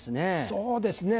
そうですね